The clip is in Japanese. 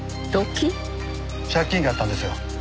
借金があったんですよ。